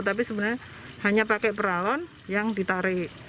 tapi sebenarnya hanya pakai peralon yang ditarik